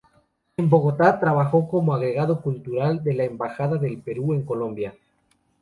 En Bogotá trabajó como agregado cultural de la Embajada del Perú en Colombia.